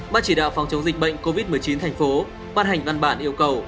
bác chỉ đạo phòng chống dịch bệnh covid một mươi chín thành phố văn hành văn bản yêu cầu